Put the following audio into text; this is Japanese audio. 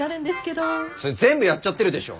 それ全部やっちゃってるでしょ。